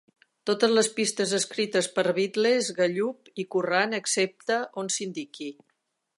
Totes les pistes escrites per Biddles, Gallup i Curran, excepte on s'indiqui.